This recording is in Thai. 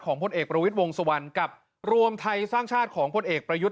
พลเอกประวิทย์วงสุวรรณกับรวมไทยสร้างชาติของพลเอกประยุทธ์